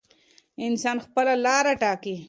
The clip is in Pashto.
انسان خپله لاره ټاکي.